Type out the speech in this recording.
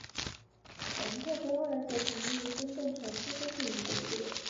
蒙特内哥罗后来则以独立身份重新申请有关国际地位。